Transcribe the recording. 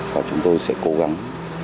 và chúng tôi sẽ cố gắng